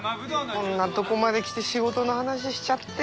こんなとこまで来て仕事の話しちゃって。